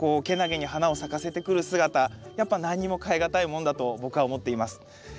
けなげに花を咲かせてくる姿やっぱ何にも代えがたいもんだと僕は思っています。